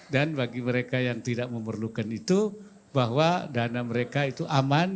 dan bagi mereka yang tidak memerlukan itu bahwa dana mereka itu aman